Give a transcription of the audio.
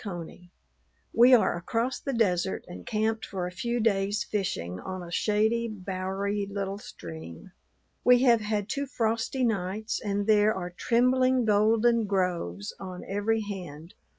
CONEY, We are across the desert, and camped for a few days' fishing on a shady, bowery little stream. We have had two frosty nights and there are trembling golden groves on every hand.